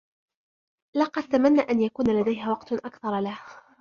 لقد تمنى أن يكون لديها وقت أكثر لهُ.